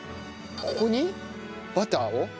ここにバターを。